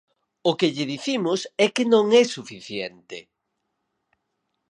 O que lle dicimos é que non é suficiente.